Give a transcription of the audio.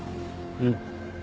うん。